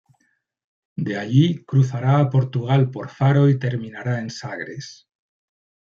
De allí, cruzará a Portugal por Faro y terminará en Sagres.